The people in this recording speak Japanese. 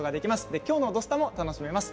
今日の「土スタ」も楽しめます。